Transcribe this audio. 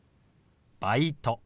「バイト」。